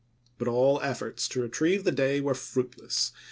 But all ef forts to retrieve the day were fruitless.